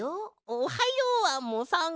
おはようアンモさん。